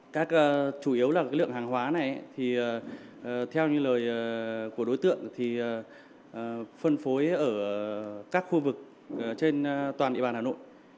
các chủ yếu là lượng hàng hóa này thì theo như lời của đối tượng thì phân phối ở các khu vực trên toàn địa bàn hà nội